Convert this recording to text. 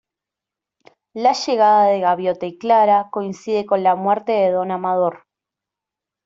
La llegada de Gaviota y Clara coincide con la muerte de Don Amador.